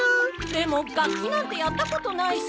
でも楽器なんてやったことないし。